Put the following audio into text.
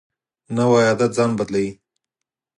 نوی عادت ځان بدلوي